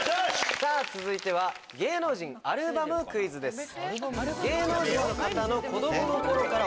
さぁ続いては芸能人アルバムクイズです。